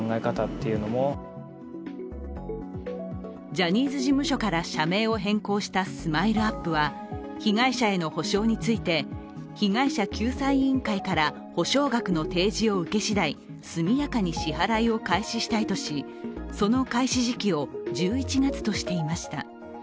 ジャニーズ事務所から社名を変更したＳＭＩＬＥ−ＵＰ．は被害者への補償について被害者救済委員会から補償額の提示を受けしだい速やかに支払いを開始したいとしその開始時期を１１月としていました。